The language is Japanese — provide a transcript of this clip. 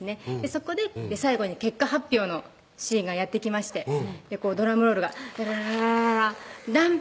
そこで最後に結果発表のシーンがやって来ましてドラムロールがダラララララダン！